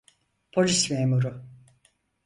Polis memuru.